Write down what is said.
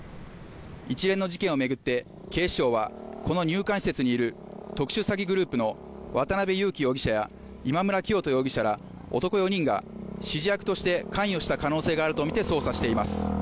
一連の事件をめぐって警視庁はこの入管施設にいる特殊詐欺グループの渡辺優樹容疑者や今村磨人容疑者ら男４人が指示役として関与した可能性があるとみて捜査しています